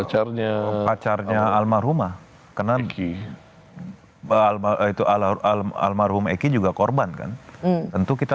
acaranya pacarnya almarhumah kenal ki baal bahwa itu al almarhum eki juga korban kan tentu kita